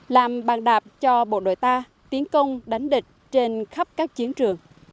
làm bàn đạp cho bộ đội ta tiến công đánh địch trên khắp các chiến trường